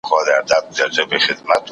هغه وویل چې زه د کلي لپاره خدمت کوم.